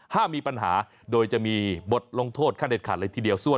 ห้ามมีปัญหาโดยจะมีบทลงโทษขั้นเด็ดขาดเลยทีเดียว